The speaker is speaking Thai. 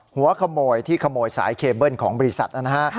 หัวขโมยที่ขโมยสายเคเบิ้ลของบริษัทนะฮะ